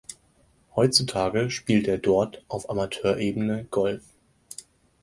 Heutzutage spielt er dort auf Amateurebene Golf.